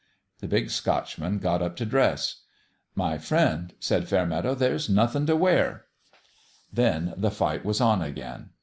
The Big Scotchman got up to dress. " My friend," said Fairmeadow, " there's noth ing to wear." Then the fight was on again.